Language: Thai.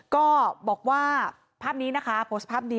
ก็บอกว่าภาพนี้นะคะโพสต์ภาพดี